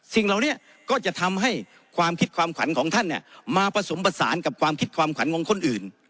สิ่งเหล่านี้ก็จะทำให้ความคิดความขวัญของท่านมาผสมผสานกับความคิดความขวัญของคนอื่น